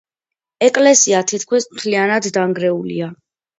ეკლესია თითქმის მთლიანად დანგრეულია.